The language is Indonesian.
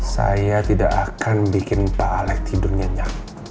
saya tidak akan bikin pak palek tidurnya nyak